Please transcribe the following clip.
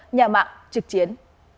nhà mạng trực chiến